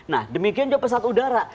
nah demikian juga pesawat udara